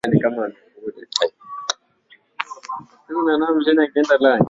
tisa themanini na nane dhidi ya ndege ya abiria ya Shirika la Pan Am